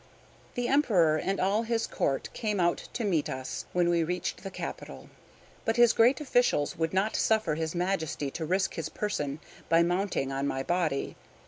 The Emperor and all his Court came out to meet us when we reached the capital; but his great officials would not suffer his Majesty to risk his person by mounting on my body.